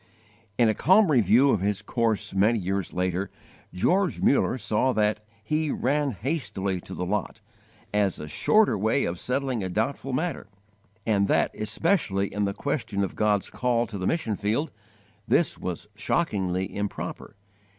In a calm review of his course many years later George Muller saw that he "ran hastily to the lot" as a shorter way of settling a doubtful matter, and that, especially in the question of God's call to the mission field, this was shockingly improper.